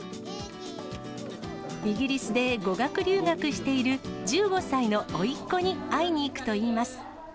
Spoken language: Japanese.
イギリスで語学留学している１５歳のおいっ子に会いに行くといいます。